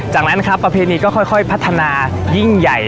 จากนั้นครับประเพณีก็ค่อยพัฒนายิ่งใหญ่